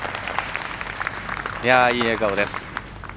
いい笑顔です。